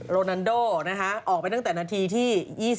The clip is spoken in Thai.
โรนันโดออกไปตั้งแต่นาทีที่๒๒